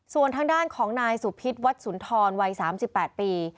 ส่วนทางด้านของนายสุพิษวัดสุนทรวัย๓๘ปี